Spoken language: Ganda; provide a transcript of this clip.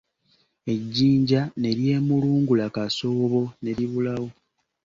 Ejinja ne ly'emulungulula kasoobo ne libulawo.